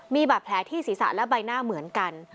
มีบาดแผลที่ศีรษะและใบหน้าเหมือนกัน